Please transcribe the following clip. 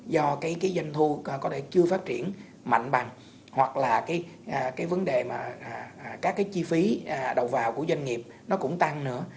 do cái doanh thu có thể chưa phát triển mạnh bằng hoặc là cái vấn đề mà các cái chi phí đầu vào của doanh nghiệp nó cũng tăng nữa